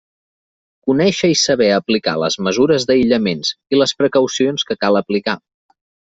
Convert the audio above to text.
Conèixer i saber aplicar les mesures d'aïllaments i les precaucions que cal aplicar.